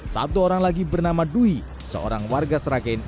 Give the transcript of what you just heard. satu orang lagi bernama dwi seorang warga sragen